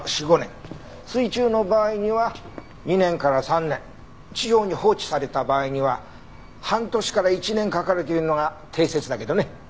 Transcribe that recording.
水中の場合には２年から３年地上に放置された場合には半年から１年かかるというのが定説だけどね。